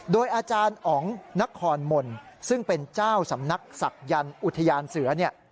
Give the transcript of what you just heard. โดยอาจารย์อ๋อนคอนมนต์ซึ่งเป็นเจ้าสำนักศักดิ์ยันอุทยานเสือ